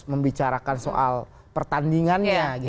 membicarakan soal pertandingannya